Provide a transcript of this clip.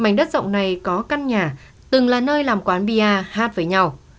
hai có căn nhà từng là nơi làm quán bia hát với nhau